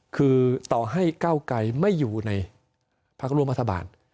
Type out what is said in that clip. คือต่อให้เก้าไกรไม่อยู่ในพักร่วมรัฐบาล